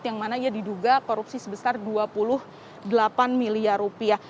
yang mana ia diduga korupsi sebesar dua puluh delapan miliar rupiah